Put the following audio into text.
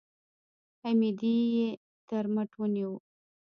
حميديې تر مټ ونيو.